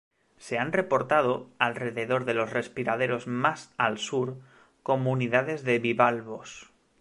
Se han reportado, alrededor de los respiraderos más al sur, comunidades de bivalvos.